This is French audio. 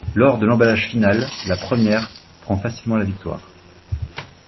Lors de l'emballage final, la première prend facilement la victoire.